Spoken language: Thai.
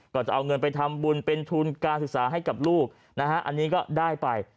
ก็จะเอาเงินไปทำบุญเป็นทุนการศึกษาให้กับลูกนะฮะอันนี้ก็ได้ไป